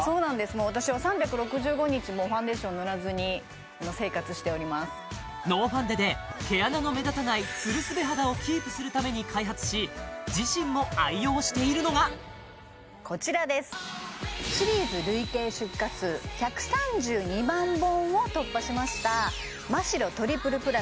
もう私は３６５日もうファンデーション塗らずに生活しておりますノーファンデで毛穴の目立たないツルスベ肌をキープするために開発し自身も愛用しているのがこちらですシリーズ累計出荷数１３２万本を突破しました